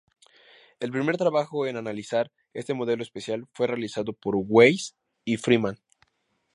El primer trabajo en analizar este modelo especial fue realizado por Weiss y Freeman.